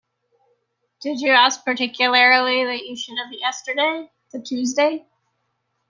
Did you ask particularly that you should have yesterday, the Tuesday?